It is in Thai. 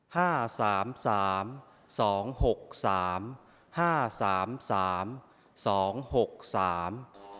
ห้าสามสามสองหกสามห้าสามสามสองหกสาม